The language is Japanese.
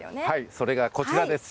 それがこちらです。